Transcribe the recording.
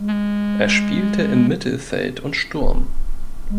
Er spielte im Mittelfeld und Sturm.